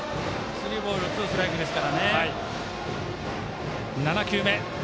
スリーボールツーストライクですから。